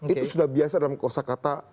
itu sudah biasa dalam kosa kata